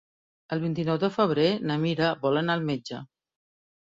El vint-i-nou de febrer na Mira vol anar al metge.